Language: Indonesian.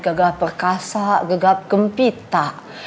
tegap perkasa tegap gempita